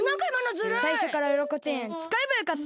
さいしょからウロコチェーンつかえばよかった！